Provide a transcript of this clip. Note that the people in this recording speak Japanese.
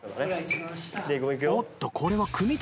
おっとこれは組み